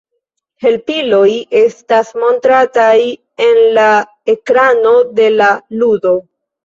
Helpiloj estas montrataj en la ekrano de la ludo.